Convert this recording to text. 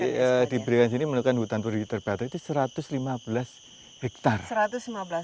luasnya diberikan di sini menurutkan hutan puri terbatas itu satu ratus lima belas hektare